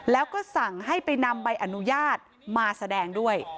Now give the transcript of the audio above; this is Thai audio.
แล้วก็สั่งให้ไปนำใบอนุญาตมาแสดงด้วย